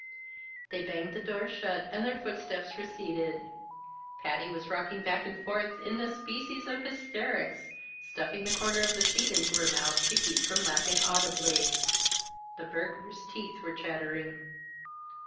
They banged the door shut and their footsteps receded. Patty was rocking back and forth in a species of hysterics, stuffing the corner of the sheet into her mouth to keep from laughing audibly. The burglar's teeth were chattering.